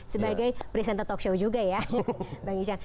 sebagai presenter talkshow juga ya